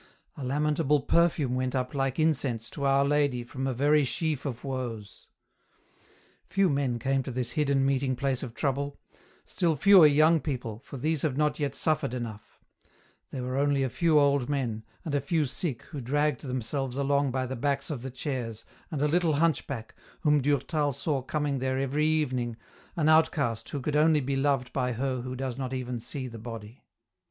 A lamentable perfume went up like incense to Our Lady trom a very sheaf of woes. Few men came to this hidden meeting place of trouble ; still fewer young people, for these have not yet suffered enough ; there were only a few old men, and a few sick who dragged themselves along by the backs of the chairs, and a little hunchback, whom Durtal saw coming there every evening, an outcast who could only be loved by Her who does not even see the body.